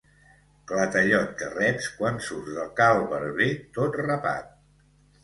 Clatellot que reps quan surts de cal barber tot rapat.